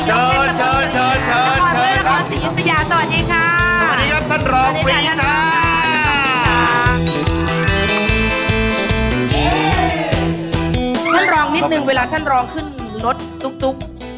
ท่านรองนิดนึงเวลาท่านรองขึ้นรถตุ๊ก